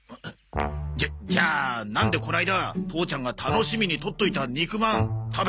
じゃじゃあなんでこの間父ちゃんが楽しみにとっといた肉まん食べたんだ？